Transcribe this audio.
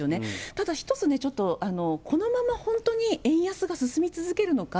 ただ一つね、ちょっとこのまま本当に円安が進み続けるのか？